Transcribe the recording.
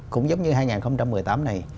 cũng giống như hai nghìn một mươi tám này